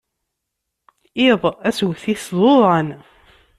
Iḍ asget-is d uḍan.